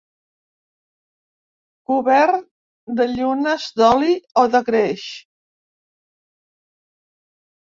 Cobert de llunes d'oli o de greix.